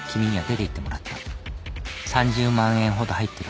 「３０万円ほど入ってる。